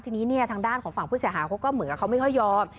ทีนี้เนี่ยทางด้านของฝั่งผู้เสียหายเขาก็เหมือนกับเขาไม่ค่อยยอม